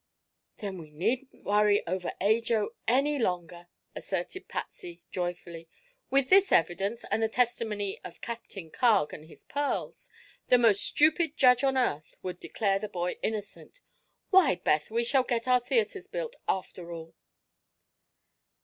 "Then we needn't worry over Ajo any longer!" asserted Patsy joyfully. "With this evidence and the testimony of Captain Carg and his pearls, the most stupid judge on earth would declare the boy innocent. Why, Beth, we shall get our theatres built, after all!"